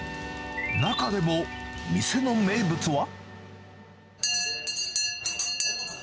中でも、店の名物は。